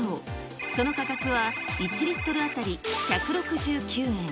その価格は、１リットル当たり１６９円。